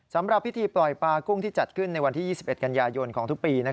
สำหรับพิธีปล่อยปลากุ้งที่จัดขึ้นในวันที่๒๑กันยายนของทุกปี